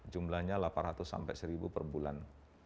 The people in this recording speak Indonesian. jumlahnya delapan ratus sampai seribu per bulan